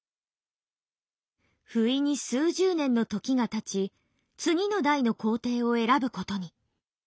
不意に数十年の時がたち次の代の皇帝を選ぶことに。